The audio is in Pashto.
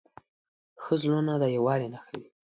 ښه زړونه د یووالي نښه وي.